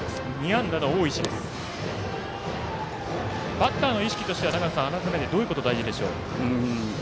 バッターの意識としては改めてどういうことが大事でしょう。